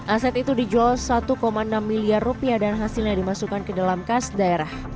aset itu dijual satu enam miliar rupiah dan hasilnya dimasukkan ke dalam kas daerah